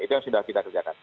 itu yang sudah kita kerjakan